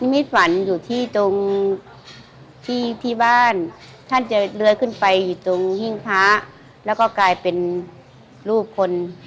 มิดฝันอยู่ที่ตรงที่ที่บ้านท่านจะเลื้อยขึ้นไปอยู่ตรงหิ้งพระแล้วก็กลายเป็นรูปคน